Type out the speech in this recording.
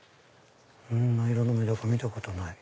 こんな色のメダカ見たことない。